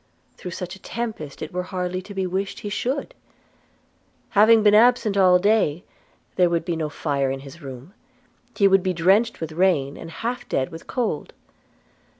Through such a tempest it were hardly to be wished he should. Having been absent all day, there would be no fire in his room, he would be drenched with rain, and half dead with cold.